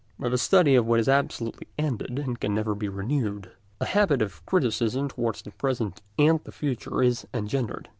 By the study of what is absolutely ended and can never be renewed, a habit of criticism towards the present and the future is engendered.